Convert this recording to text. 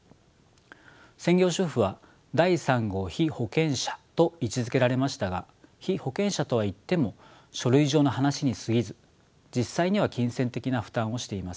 専業主婦は第３号被保険者と位置づけられましたが被保険者とはいっても書類上の話にすぎず実際には金銭的な負担をしていません。